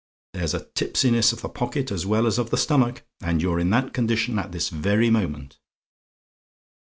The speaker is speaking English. There's a tipsiness of the pocket as well as of the stomach and you're in that condition at this very moment.